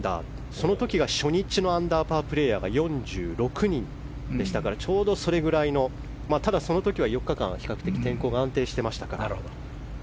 その時が、初日のアンダーパープレーヤーが４６人でしたからちょうどそれくらいのその時は４日間、比較的天候は安定していましたから。